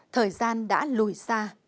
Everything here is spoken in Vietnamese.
thời gian đã lùi xa